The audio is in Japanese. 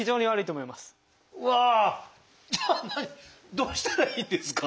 どうしたらいいんですか？